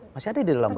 masih ada di dalam pak